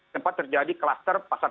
tempat terjadi kluster pasar